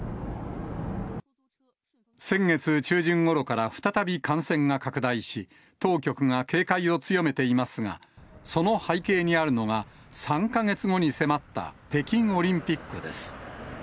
先月中旬ごろから再び感染が拡大し、当局が警戒を強めていますが、その背景にあるのが３か月後に迫った北京オリンピックです。